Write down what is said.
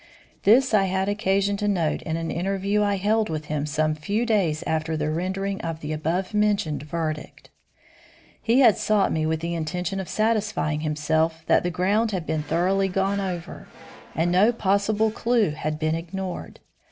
This I had occasion to note in an interview I held with him some few days after the rendering of the abovementioned verdict. He had sought me with the intention of satisfying himself that the ground had been thoroughly gone over, and no possible clue had been ignored.